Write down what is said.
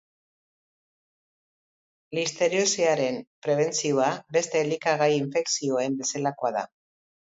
Listeriosiaren prebentzioa beste elikagai-infekzioen bezalakoa da.